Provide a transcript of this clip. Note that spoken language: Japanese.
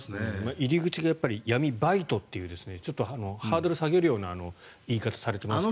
入り口が、闇バイトというハードルを下げるような言い方をされていますから。